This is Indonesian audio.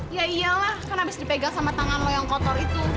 ya iyalah kan habis dipegang sama tangan lo yang kotor itu